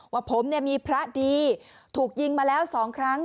ว่าผมเนี่ยมีพระดีถูกยิงมาแล้ว๒ครั้ง